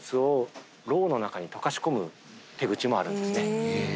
手口もあるんですね。